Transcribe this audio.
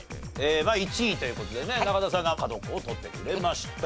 まあ１位という事でね中田さんが角っこを取ってくれました。